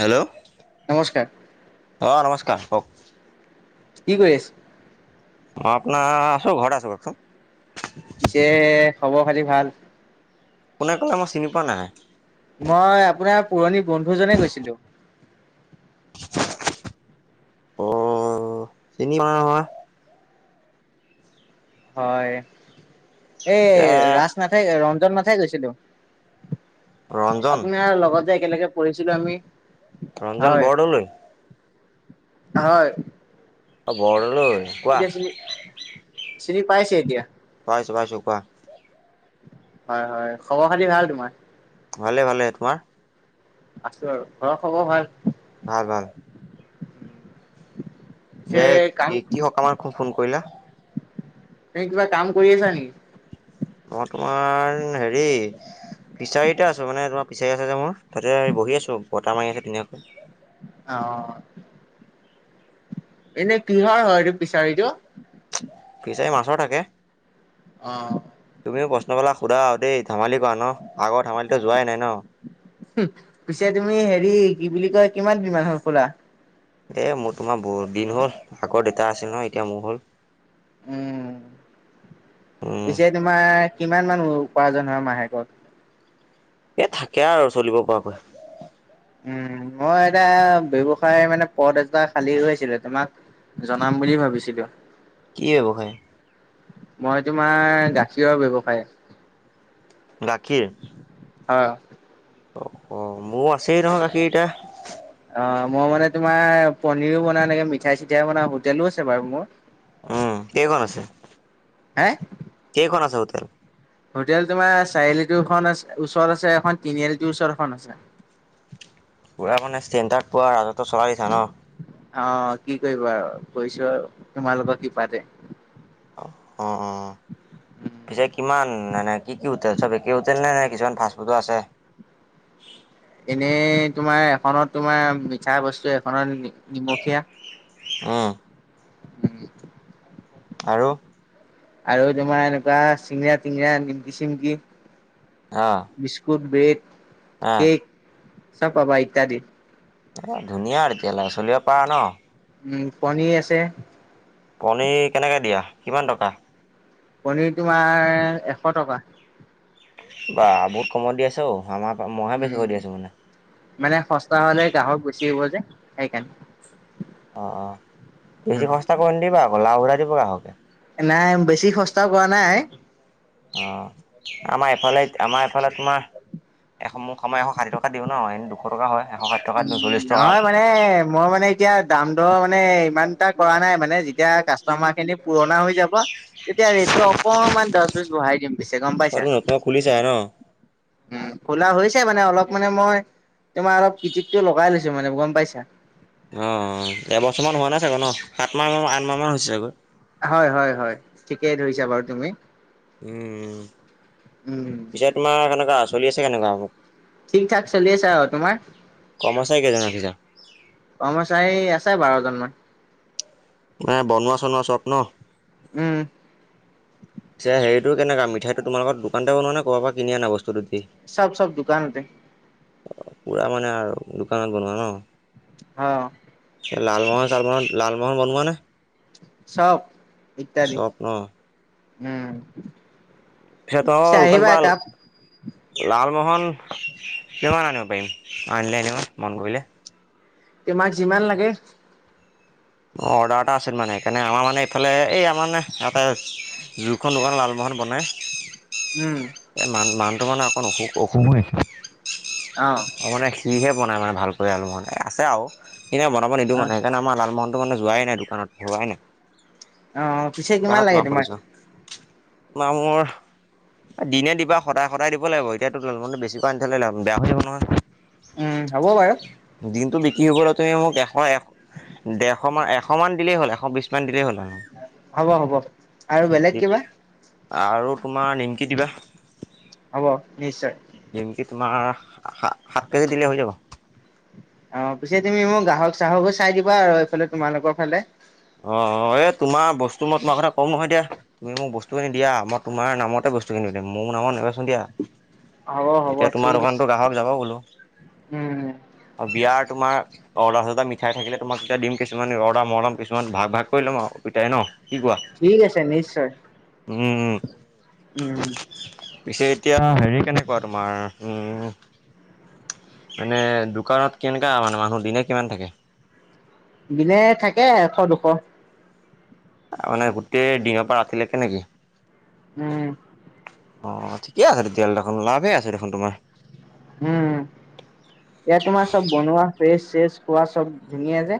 Hello নমস্কাৰ অ আ নমস্কাৰ কওক কি কৰি আছে? অ আপোনাৰ আছো ঘৰত আছো কওকচোন। পিছে খবৰ-খাতি ভাল কোনে ক'লে মই চিনি পোৱা নাই মই আপোনাৰ পুৰণি বন্ধুজনে কৈছিলো অ চিনি পোৱা নাই নহয় হয় এ এতিয়া ৰাচ নাথাই ৰঞ্জন নাথাই গৈছিলো ৰঞ্জন আপোনাৰ লগত যে একেলগে পঢ়িছিলো আমি ৰঞ্জন হয় বৰদলৈ হয় অ বৰদলৈ কোৱা এতিয়া চিনি চিনি পাইছে এতিয়া পাইছো পাইছো কোৱা হয় হয় খবৰ খাতি ভাল তোমাৰ ভালে ভালে তোমাৰ আছো আৰু ঘৰৰ খবৰ ভাল ভাল ভাল পিছে এয়াই কাম কি কি সকমত ক ফোন কৰিলা তুমি কিবা কাম কৰি আছা নেকি মই তোমাৰ এ হেৰি ফিছাৰিতে আছো মানে তোমাৰ ফিচাৰি আছে যে মোৰ তাতে আমি বহি আছো বতাহ মাৰি আছে ধুনীয়াকে অ এনে কিহৰ হয় এইটো ফিচাৰিটো ফিচাৰি মাছৰ থাকে। অ তুমিও প্ৰশ্ন বিলাক সোধা আৰু দেই ধামালি কৰা ন আগৰ ধামালিতো যোৱাই নাই ন হো পিছে তুমি হেৰি কি বুলি কয় কিমান কিমান হল খোলা এ মোৰ তোমাৰ বহুত দিন হ'ল আগৰ দেউতা আছিল নহয় এতিয়া মোৰ হ'ল উম উম পিছে তোমাৰ কিমান মান উপাৰ্জন হয় মাহেকত এ থাকে আৰু চলিব পৰাকৈ উম মই এতিয়া ব্যৱসায় মানে পদ এটা খালী হৈ আছিলে তোমাক জনাম বুলি ভাবিছিলো কি ব্যৱসায় মই তোমাৰ গাখীৰৰ ব্যৱসায় গাখীৰ অ'। অ', অ', মোৰ আছেই নহয় গাখীৰ এতিয়া। অ', মই মানে তোমাৰ পনীৰো বনাও, মিঠাই চিঠাই বনাও, হোটেলো আছে বাৰু মোৰ। উম কেইখন আছে, হে কেইখন আছে হোটেল? হোটেল তোমাৰ চাৰিআলিটোৰ ওচৰত আছে এখন, তিনিআলিটোৰ ওচৰত এখন আছে। পুৰা মানে চেন্টাৰত পুৰা ৰাজত্ব চলাই দিছা ন'। অ', কি কৰিবা আৰু কৈছোঁ আৰু তোমালোকৰ কৃপাতে। অ' অ'। পিছে কিমান, মানে কি কি হোটেল, চব একে হোটেল নে, নে কিছুমান ফাষ্ট ফুডো আছে? এনেই তোমাৰ এখনত তোমাৰ মিঠা বস্তু, এখনত নিমখীয়া। অ'। আৰু? আৰু তোমাৰ এনেকুৱা চিঙৰা, টিঙৰা নিমকি, চিমকি। অ'। বিস্কুট, ব্ৰেড, অ কেক চব পাবা ইত্যাদি। অ', ধুনীয়া আৰু এতিয়ালৈে চলিব পাৰা ন'। উম পণীৰ আছে। পনীৰ কেনেকৈ দিয়া, কিমান টকা? পনীৰ তোমাৰ এশ টকা। বা বহুত কমত দি আছা অ', আমাৰ, মইহে উম বেছিকে দি আছোঁ মানে। মানে সস্তা হ'লে গ্ৰাহক গুচি আহিব যে, সেইকাৰণে। অ', অ', বেছি সস্তা কৰি নিদিবা আকৌ, লাও ঘুৰাই দিব গ্ৰাহকে। নাই, বেছি সস্তাও কৰা নাই। অ', আমাৰ এইফালে, আমাৰ এফালে তোমাৰ এশ মোক, মই এশ ষাঠি টকা দিওঁ ন' এনে দুশ টকা হয়, এশ ষাঠি টকা, উম চল্লি টকা নহয় মানে মই মানে এতিয়া দাম দৰ মানে, ইমান এটা নাই মানে, যেতিয়া কা তামাৰ খিনি পুৰণা হৈ যাব তেতিয়া ৰেটটো অকমান দহ, বিছ বঢ়াই দিম পিছে গম পাইছা। তুমি [unintelligible] ন'। উম, খোলা হৈছে মানে অলপ মানে মই, তোমাৰ অলপ কিটিকটো লগাই লৈছো মানে, গম পাইছা। অ', অ', এবছৰমান হোৱা নাই চাগৈ ন', সাত মাহ, আঠ মাহ মান হৈছে চাগৈ। হয়, হয়, হয়, ঠিকেই ধৰিছা বাৰু তুমি। উম। উম, পিছে তোমাৰ কেনেকুৱা, চলি আছে কেনেকুৱা? চলিছে আৰু তোমাৰ? কৰ্মচাৰী কেইজন ৰাখিছা? কৰ্মচাৰী আছে বাৰজন মান। মানে, বনোৱ চনোৱা চব ন'। উম। হেৰিটো কেনেকুৱা মিঠাইটো তোমালোক দোকানতে বনোৱাে নে, ক'ৰবাৰ পৰা কিনি আনা বস্তুটো দি। চব, চব দোকানতে। পুৰা মানে আৰু দোকানত বনোৱা ন'। অ'। লালমোহন, চালমোহন, লালমোহন বনোৱা নে? চব, ইত্যাদি চব ন উম। পিছে আহিবা [unintelligible] একাপ লালমোহন কিমান আনিব পাৰিম [unintelligible] মন কৰিলে? তোমাক যিমান লাগে। অ, অৰ্ডাৰ এটা আছিল মানে সেইকাৰণে আমাৰ মানে এইফালে এই আমাৰ মানে ইয়াতে যোখন দোকান লালমোহন বনায় উম, এই মান মানুহটো মানে অকণ অসুখ [unintelligible] অ', অ, মানে সিহে বনাই ভালকৈ আৰু মানে এ আছে আও [unintelligible] বনাব নিদিওঁ অ', মানে সেইকাৰণে আমাৰ লালমোহন ত' মানে যোৱাই নাই দোকানত হোৱাই নাই। অ', অ', পিছে কিমান লাগে তোমাক? [unintelligible] মোৰ এ দিনে দিবা সদায়-সদায় দিব লাগিব এতিয়া [unintelligible] বেয়া হৈ যাব নহয়। উম, হ'ব বাৰু। দিনটো বিক্ৰী হবলৈ তুমি মোক এশ এক দেৰ শমান এশমান দিলেই হ'ল এশ বিছমান দিলেই হ'ল আৰু হ'ব-হ'ব। আৰু তোমাৰ নিম হ'ব নিশ্চয়। নিমকি তোমাৰ সা-সাত কেজি দিলে হৈ যাব। অ, পিছে তুমি মোক গ্ৰাহক চাহকো চাই দিবা আৰু এইফালে তোমালোকৰ ফালে অ, এ তোমাৰ বস্তু মই তোমাৰ কথা কওঁ নহয় এতিয়া। তুমি মোক বস্তু খিনি দিয়া মই তোমাৰ নামতে বস্তু কিনি দিম মোৰ নামত নেবেচো দিয়া। হ'ব হ'ব তেতিয়া তোমাৰ ঠিক আছে দোকানতো গ্ৰাহক যাব বোলো। উম অ, বিয়াৰ তুমাৰ অৰ্ডাৰ চৰ্দাৰ মিঠাই থাকিলে তোমাক তেতিয়া দিম কিছুমান অৰ্ডাৰ মইয় লম [unintelligible] ভাগ-ভাগ কৰি ল'ম আৰু পিতাই ন' কি কোৱা? ঠিক আছে নিশ্চয়। উম, উম। উম, পিছে এতিয়া হেৰি কেনেকুৱা তোমাৰ উম মানে দোকানত কেনেকা মানে মানুহ, মানুহ দিনে কিমান থাকে? দিনে থাকে এশ, দুশ অ, মানে গোটেই দিনৰ পৰা ৰাতি লোকে নেকি! উম, অ, ঠিকে আছে তেতিয়াহ'লে দেখোন লাভে আছে দেখোন তোমাৰ। উম, ইয়াত তোমাৰ চব বনোৱা ফ্ৰেচ চেচ খোৱা চব ধুনীয়া যে।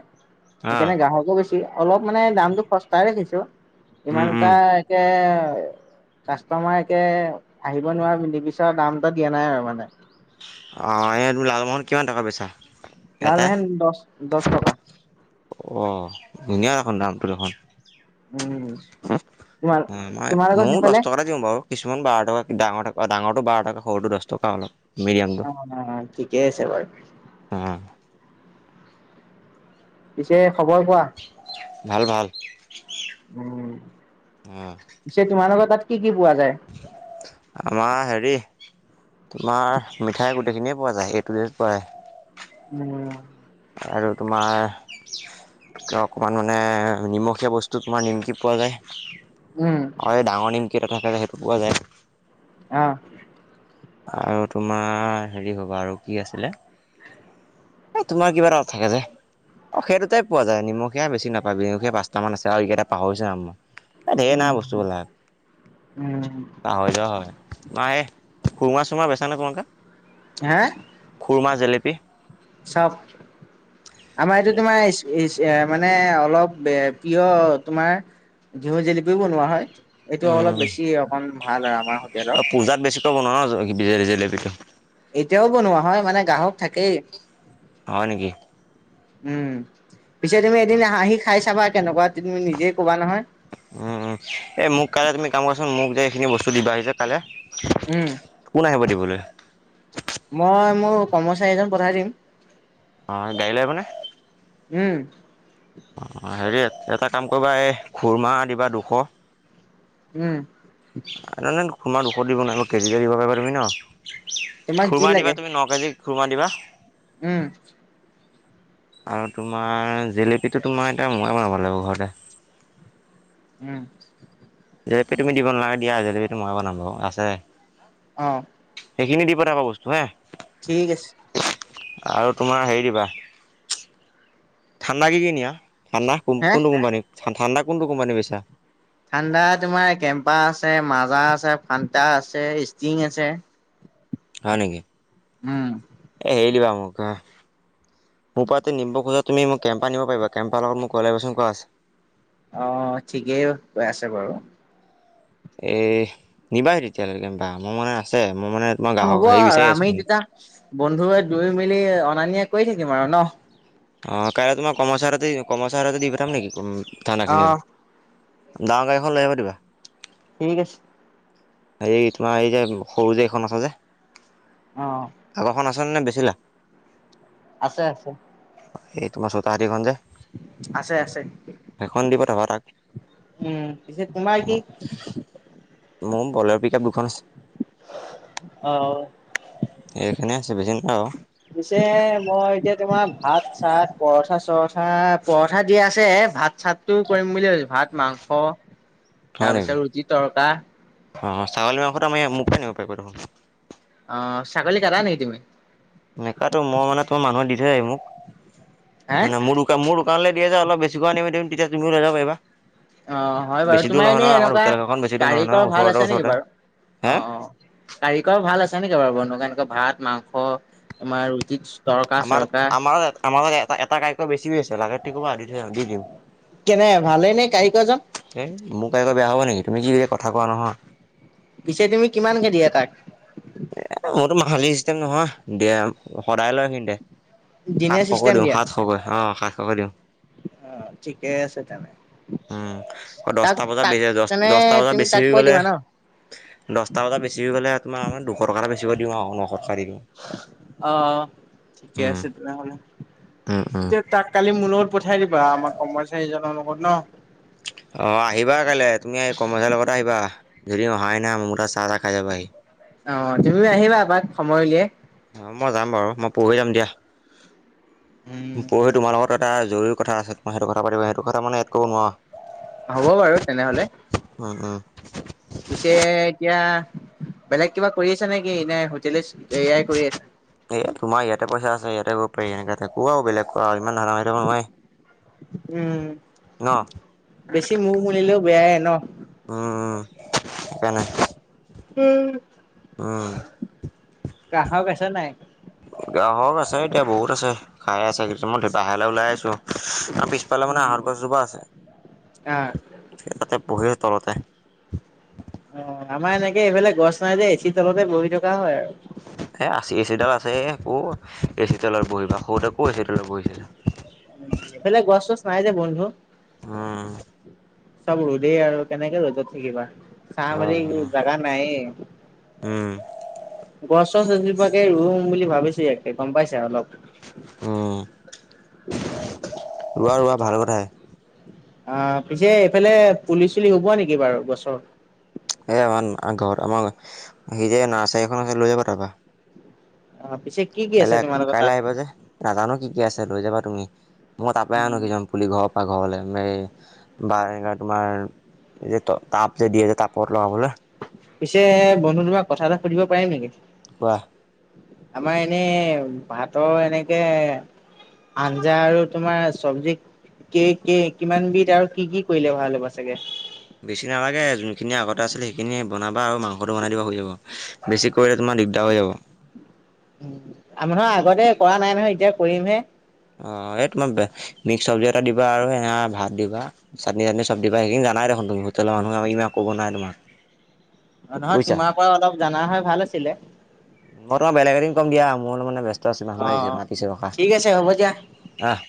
হা সেইকাৰণে গ্ৰাহকো বেছি অলপ মানে দামটো সস্তাই ৰাখিছো। উম উম ইমানটা একে কাষ্টমাৰ একে আহিব নোৱাৰা নিবিচাৰা দাম এটা দিয়া নাই আৰু মানে। অ, এই তুমি লালমোহন কিমান টকা বেছা? লালমেহন দছ-দছ টকা। অ, ধুনীয়া দেখোন দামটো দেখোন। উম, মই তোমাৰ-তোমাৰ লোকৰ ময়ো সেফালে? [unintelligible] কিছুমান বাৰ টকা ডাঙৰটো অ, ডাঙৰটো বাৰ টকা সৰুটো দছ টকা অলপ। মিডিয়ামটো [unintelligible] ঠিকেই আছে বাৰু। উম। পিছে খবৰ কোৱা। ভাল ভাল, উম উম। পিছে তোমালোকৰ তাত কি কি পোৱা যায়? আমাৰ হেৰি তোমাৰ মিঠাই গোটেইখিনিয়ে পোৱা যায় এই এ টু ডে'ত পৰা আহে। উম। আৰু তোমাৰ এ অকণমান মানে নিমখীয়া বস্তু তোমাৰ নিমকি পোৱা যায়। উম। অ এই ডাঙৰ নিমকি এটা থাকে যে, সেইটো পোৱা যায়। অ। আৰু তোমাৰ হেৰি হব আৰু কি আছিলে? এ তোমাৰ কিবা এটা অ থাকে যে। অ সেই দুটাই পোৱা যায়, নিমখীয়াে বেছি নেপাবি, নিমখীয়া পচটা মান আছে আৰু ইগিটা পাহৰিছো নাম মই। এই ধেই না উম, বস্তুবিলাক, উম, পাহৰি যোৱা হয়, তোমাৰে এই খুৰ্মা সূৰ্মা বেছা নে তোমালোকে? হা? খুৰমা জেলেপি? চাওক আমাৰ এইটো তোমাৰ ইছ ইছ এ মানে অলপ অ প্ৰিয় তোমাৰ ঘিউ জেলেপিও বনোৱা হয়। এইটো উম অলপ বেছি অকমান ভাল আৰু আমাৰ হোটেলৰ। পূজাত বেছি [unintelligible] জেলেপিটো। এতিয়াও বনোৱা হয় মানে গ্ৰহক থাকেই। হয় নেকি? উম, পিছে তুমি এদিন উম আহি খাই চাবা কেনেকুৱা তুমি নিজে কবা নহয়। উম উম এই মোক কাইলে তুমি কাম কৰাচোন মোক যে এইখিনি বস্তু দিবাহিচোন কাইলে। উম। কোন আহিব দিবলৈ? মই মোৰ কৰ্মচাৰী এজন পঠাই দিম। অ গাড়ী লৈ আহিব নে? উম। অ হেৰি এটা কাম কৰিবা এই খুৰমাহ দিবা দুশ। উম। নাই নাই খুুৰমা দুশ দিব নাই কেজিকৈ দিব পাৰিবা তুমি ন? তোমাক যি খুৰমা লাগে দিবা তুমি ন কেজি। খুৰমা দিবা। উম। আৰু তোমাৰ জেলেপীটো তোমাৰ এতিয়া মইয়ে বনাব লাগিব ঘৰতে। উম। জেলেপী তুমি দিব নালাগে দিয়া জেলেপিটো মই বনাম বাৰু আছে। অ'। সেইখিনি দি পঠাবা বস্তু হে। ঠিক আছে। আৰু তোমাৰ হেৰি দিবা ঠাণ্ডা কি কি নিয়া ঠাণ্ডা হা কোনটো কোম্পানী ঠাণ্ডা কোনটো কোম্পানী বেচা? ঠাণ্ডা তোমাৰ কেম্পা আছে, মাজা আছে, ফান্তা আছে, ষ্টিং আছে। হয় নেকি? উম, এ হেৰি দিবা মোক মোৰ পৰাতে নিব খোজা তুমি মোক কেম্প নিব পাৰিবা, কেম্পা লগত মোৰ কলাবৰেচন কৰা আছে। অ', ঠিকেই কৈ আছে বাৰু। এ নিবাহি তেতিয়া হ'লে কেম্পা মোৰ মানে আছে, মই মানে তোমাৰ হ'ব গ্ৰাহক হেৰি আৰু বিচাৰি আমি আছো। দুটা বন্ধুৱে দুুইও মিলি অনা-নিয়া কৰি থাকিম আৰু ন'? অ, কাইলৈ তোমাৰ কৰ্মাচাৰী হাততে কৰ্মচাৰীৰ হাততে দি পঠাম নেকি ঠাণ্ডা খিনিও? অ' ডাঙৰ গাড়ীএখন লৈ আহিবা দিবা। ঠিক আছে। এই তোমাৰ এই যে সৰু যে এইখন আছ যে। অ'। আগৰ খন আছেনে নে বেছিলা? আছে আছে। এই তোমাৰ চ'তাহতি খন যে। আছে আছে। সেইখন দি পঠাবা তাক। উম, পিছে তোমাৰ কি মোৰ বলেৰ' পিক আপ দুখন আছে। অ'। এইখিনিয়ে আছে বেছি [unintelligible] পিছে মই এতিয়া তোমাৰ ভাত-চাত, পৰঠা-চৰঠা পৰঠা দিয়া আছে ভাত-চাত কৰিম বুলি ভাবিছো, ভাত মাংস হয় নেকি? তাৰপিছত ৰুটি তৰকা। অ', ছাগলী মাংসটো আমি মোৰ পৰাই নিব পাৰিবা দেখোন। অ', ছাগলী কাটা নেকি তুমি? নেকাটো মই মানে তোমাৰ মানুহে দি থৈ যায় হি মোক, হে? মানে মোৰ মোৰ দোকানলৈ দিয়ে যে অলপ বেছিক আনিম দিম তেতিয়া তুমিও লৈ যাব পাৰিবা। অ', হয়, বাৰু বেছি দূৰ তোমাৰ নহয় এনেই নহয় আমাৰ এনেকুৱা হোটেল কেইখন বেছি দূৰ নহয় নহয় কাৰিকৰ ভাল ওচৰতে আছে নেকি ওচৰতে। বাৰু হে অ', অ'। কাৰিকৰ ভাল আছে নেকি বাৰু বনোৱা এনেকুৱা ভাত মাংস তোমাৰ ৰুটিত আমাৰ তাত আমাৰ আমাৰ এটা এটা কাৰিকৰ বেছি হৈ আছে লাগে যদি কবা দি থৈ আহিম দি দিম। কেনে ভালে নে কাৰিকৰজন? এই মোৰ কাৰিকৰ বেয়া হ'ব নেকি তুমি কি যে কথা কোৱা নহয়। পিছে তুমি কিমান কে দিয়া তাক? এ মোৰতো মাহালী চিষ্টেম নহয় দেয় সদায় লয় সিহঁতে। দিনে সাতশকৈ চিষ্টেম দিওঁ দিয়া সাতশকৈ অ', সাতশকৈ দিওঁ। অ', ঠিকেই আছে তেনে। উম তাক দহটা বজাত তাক বেছি দহ তেনে দহটা বজাত তুমি বেছি তাক হৈ কৈ গ'লে দিবা ন'? দহটা বজা বেছি হৈ গ'লে তোমাৰ আমাৰ দুশ টকা এটা বেচি কৈ দিওঁ আৰু নশটকা দিওঁ। অ', ঠিকে উম আছে তেনেহ'লে উম উম এতিয়া তাক কালি মোৰ লগত পঠিয়াই দিবা আমাৰ কৰ্মচাৰীজনৰ লগত ন'? অ', আহিবা কাইলৈ তুমি কৰ্মচাৰি লগতে আহিবা ধেৰ দিন অহাই নাইয় মোৰ তাত চাহ-তাহ খাই যাবাাহি। অ', তুমিও আহিবা আমাক সময় উলিয়াই। অ', মই যাম বাৰু মই পৰহি যাম দিয়া, উম পৰহি তোমাৰ লগত এটা জৰুৰী কথা আছে মই কথা পাতিম সেইটো কথা মানে ইয়াত ক'ব নোৱাৰা। হ'ব বাৰু তেনেহ'লে। উম উম। পিছে এতিয়া বেলেগ কিবা কৰি আছা নেকি নে হোটলে এয়াই কৰি আছে। এয়া তোমাৰ ইয়াতে পইচা আছে ইয়াতে কৰিব পাৰি এনেকে ক আৰু বেলেগ কৰা আৰু ইমান ধনদা পাৰি থাকিব নোৱাৰি। উম, ন বেছি মহ মুলিলেও বেয়াই ন'। উম উম, সেইকাৰণে। উম। উম। কাহক আছে নাই? গাহক আছে এতিয়া বহুত আছে খাই আছে [unintelligible] বাহিৰলৈ ওলাই আহিছোঁ, আম ফালে মানে আহৰ গছজোপা আছে, আহ। স তাতে পহি আ তলতে। অ', আমাৰ এনেকে এইফালে গছ নাই যে এচি তলতে বহি থকা হয় আৰু। এ আছ এ চিডাল আছে আ একৌ এ চিডালত বহিবা সৰুতে আকৌ এ চিডালত বহিছে। উ এইফালে গছ চছ নাই যে বন্ধু। অ'। চব ৰোদেই আৰু কেনেকে ৰ'দত থাকিবা। চাহ বুলি উম জাগা নাই। গছ চছ এজোপাকে ৰুম বুলি ভাবিছো ইয়াকে গম পাইছে অলপ। উম', ৰোৱা ৰোৱা ভাল কথাই। অ', পিছে এইফালে পুলি চুলি হ'ব নেকি বাৰু গছৰ? এই আমাৰ ঘৰত আমাৰ সি যে নাৰ্চাৰী খন আছে, লৈ যাব। তাৰপা। অ', পিছে কি কি আছে? কাইলৈ তোমালোকৰ কাইলৈ তাত? আহিবা যে নাজানো কি কি আছে, লৈ যাবা তুমি মই তাৰাপৰা আনো উম। কিজনমান পুলি ঘৰৰ পৰা ঘৰলৈ ম বা এনেকা তোমাৰ এই যে তাপ যে দি যে তাপত লগাবলৈ পিছে বন্ধু তোমাক কথা এটা সুধিব পাৰিম নেকি? কোৱা আমাৰ এনেই ভাতৰ এনেকে আঞ্জা আৰু তোমাৰ চব্জি কে কে কিমানবিধ আৰু কি কি কৰিলে ভাল হ'ব চাগে? বেছি নালাগে যোনখিনি আগতে আছিলে সেইখিনি বনাবা আৰু মাংসটো বনাই দিবা হৈ যাব। বেছি কৰিলে তোমাৰ দিগদাৰ হৈ যাব। আৰ নহয় আগতে কৰা নাই নহয় এতিয়া কৰিমহে। অ', এই তোমাৰ মিক্স চব্জি এটা দিবা আৰু সে ভাত দিবা। চাটনি চাটনি চব দিবা হেশিনি জানাই দেখোন তুমি হোটেলৰ মুহে ইমান ক'ব নাই তোমাক। অ', নহয় বুজিছা। তোমাৰ পা অলপ জনা হয় ভাল আছিলে। মই তোমাৰ বেলেগ এদিন কম দিয়া মোৰ অলপ মানে ব্যস্ত আছে অ মানুহ আহিছে মাতিছে ৰখা। ঠিক আছে হ'ব দিয়া। অ'।